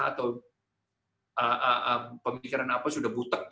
atau pemikiran apa sudah butet